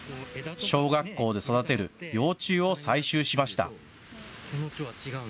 小学校で育てる幼虫を採集しました。